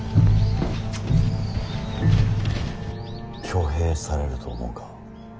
挙兵されると思うか。